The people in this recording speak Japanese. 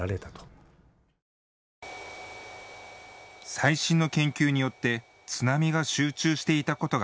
最新の研究によって津波が集中していたことが